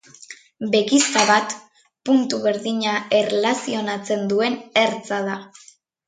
Begizta bat puntu berdina erlazionatzen duen ertza da.